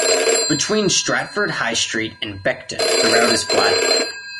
Between Stratford High Street and Beckton the route is flat.